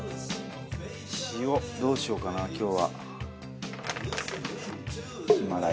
塩どうしようかな今日は。